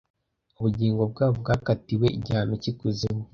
Ubugingo bwabo bwakatiwe igihano cy’ikuzimu